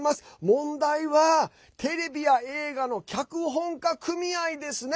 問題は、テレビや映画の脚本家組合ですね。